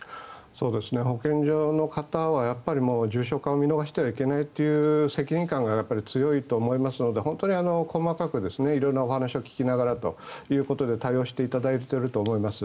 保健所の方は、重症化を見逃してはいけないという責任感が強いと思いますので本当に細かく色々なお話を聞きながらということで対応していただいていると思います。